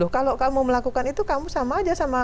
kalau kamu melakukan itu kamu sama aja sama